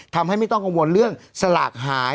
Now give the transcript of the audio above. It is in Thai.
ทำให้ไม่ต้องกังวลเรื่องสลากหาย